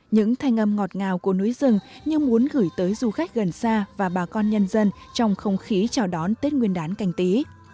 những thanh âm ngọt ngào của núi rừng như muốn gửi tới du khách gần xa và bà con nhân dân trong không khí chào đón tết nguyên đán canh tí